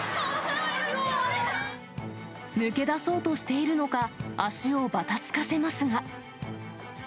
抜け出そうとしているのか、足をばたつかせますが。